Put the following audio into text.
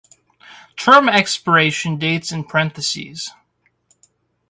Term expiration dates in parenthesis.